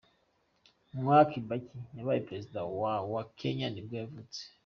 Mwai Kibaki, wabaye perezida wa wa Kenya nibwo yavutse.